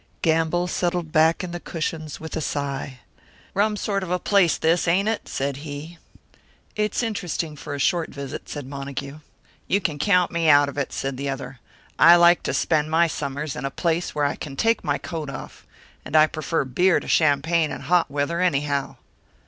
Gamble settled back in the cushions with a sigh. "Rum sort of a place this, ain't it?" said he. "It's interesting for a short visit," said Montague. "You can count me out of it," said the other. "I like to spend my summers in a place where I can take my coat off. And I prefer beer to champagne in hot weather, anyhow."